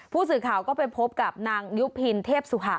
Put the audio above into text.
ผู้สื่อข่าวก็ไปพบกับนางยุพินเทพสุหะ